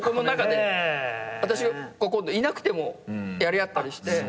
私がいなくてもやり合ったりして。